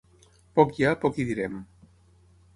Poc hi ha, poc hi direm.